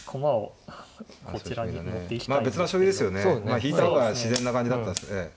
引いた方が自然な感じだったです。